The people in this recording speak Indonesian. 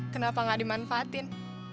kenapa gak dimanfaatin